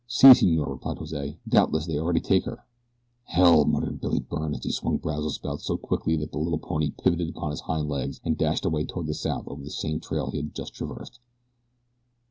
"Si, senor," replied Jose. "Doubtless they already take her." "Hell!" muttered Billy Byrne, as he swung Brazos about so quickly that the little pony pivoted upon his hind legs and dashed away toward the south over the same trail he had just traversed.